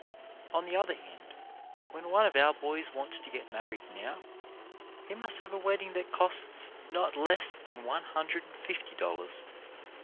On the other hand, when one of our boys wants to get SUBSTANCE vs. SHADOW 241 married now, he must have a wedding that costs not less than one hundred and fifty dollars.